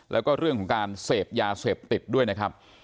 แล้วก็เรื่องของการเสพยาเสพติดด้วยนะครับ